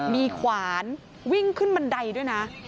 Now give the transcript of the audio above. มีขวานวิ่งขึ้นบันไดด้วยนะ